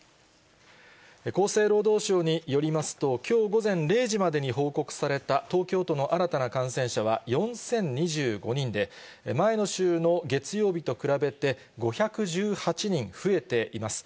厚生労働省によりますと、きょう午前０時までに報告された東京都の新たな感染者は４０２５人で、前の週の月曜日と比べて、５１８人増えています。